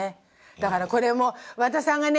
だからこれも和田さんがね